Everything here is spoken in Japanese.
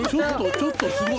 ちょっとすごい。